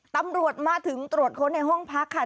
ตำรวจมาถึงตรวจค้นในห้องพักค่ะ